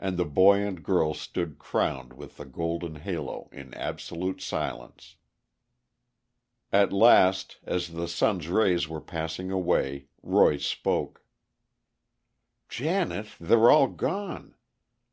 And the boy and girl stood crowned with the golden halo, in absolute silence. At last, as the sun's rays were passing away, Roy spoke: "Janet, they're all gone!